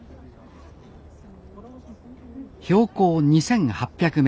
標高２，８００ｍ。